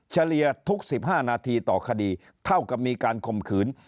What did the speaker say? เฉลี่ยทุก๑๕นาทีต่อคดีเท่ากับมีการคมขืน